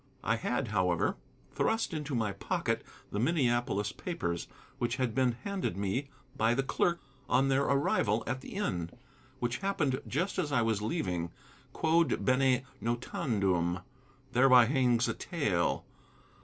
I had, however, thrust into my pocket the Minneapolis papers, which had been handed me by the clerk on their arrival at the inn, which happened just as I was leaving. 'Quod bene notandum!' Thereby hangs a tale!